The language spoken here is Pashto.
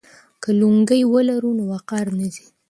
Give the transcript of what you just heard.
که لونګۍ ولرو نو وقار نه ځي.